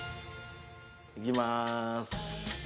いきます。